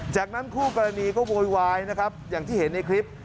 จากนั้นคู่กรณีก็โวยวายนะครับอย่างที่เห็นในคลิป